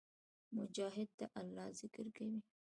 مجاهد د الله ذکر کوي.